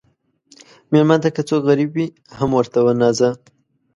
مېلمه ته که څوک غریب وي، هم ورته وناځه.